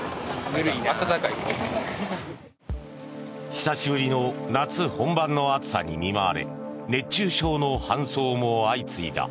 久しぶりの夏本番の暑さに見舞われ熱中症の搬送も相次いだ。